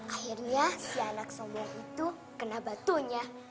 akhirnya si anak sombong itu kena batunya